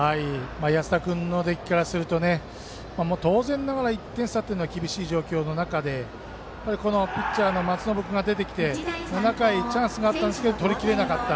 安田君の出来からすると当然ながら１点差は厳しい状況の中でこのピッチャーの松延君が出てきて７回チャンスがあったんですが取りきれなかった。